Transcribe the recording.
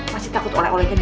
masih takut oleh olehnya